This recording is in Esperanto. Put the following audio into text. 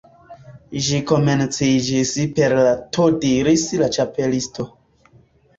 "Ĝi komenciĝis per la T" diris la Ĉapelisto.